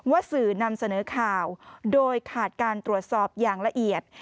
สื่อนำเสนอข่าวโดยขาดการตรวจสอบอย่างละเอียด